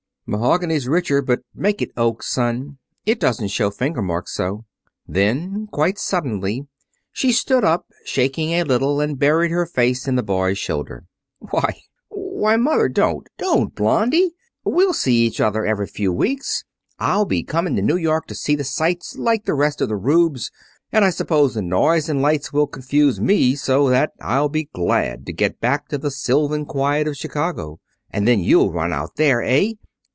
"Mahogany's richer, but make it oak, son. It doesn't show finger marks so." Then, quite suddenly, she stood up, shaking a little, and buried her face in the boy's shoulder. "Why why, Mother! Don't! Don't, Blonde. We'll see each other every few weeks. I'll be coming to New York to see the sights, like the rest of the rubes, and I suppose the noise and lights will confuse me so that I'll be glad to get back to the sylvan quiet of Chicago. And then you'll run out there, eh?